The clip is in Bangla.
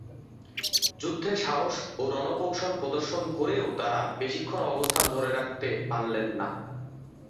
যুদ্ধে সাহস ও রণকৌশল প্রদর্শন করেও তারা বেশিক্ষণ অবস্থান ধরে রাখতে পারলেন না।